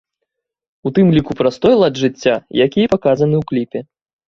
У тым ліку праз той лад жыцця, які і паказаны ў кліпе.